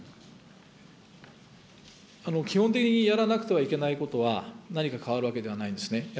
基本的にやらなくてはいけないことは、何か変わるわけではないんですね。